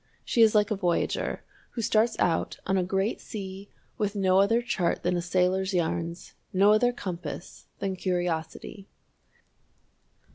She is like a voyager who starts out on a great sea with no other chart than a sailor's yarns, no other compass than curiosity.